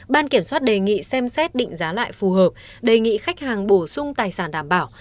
ban kiểm soát đề nghị xem xét định giá lại phù hợp đề nghị khách hàng bổ sung tài sản đảm bảo